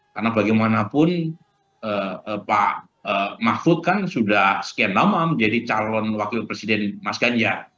karena bagaimanapun pak mahfud kan sudah sekian lama menjadi calon wakil presiden mas ganja